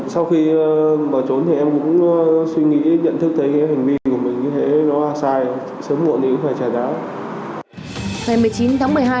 sau khi bỏ trốn thì em cũng suy nghĩ nhận thức thấy hành vi của mình như thế nó là sai sớm muộn thì cũng phải trả giá